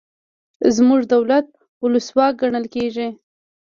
زموږ دولت ولسواک ګڼل کیږي.